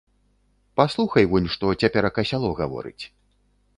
Паслухай вунь, што цяперака сяло гаворыць.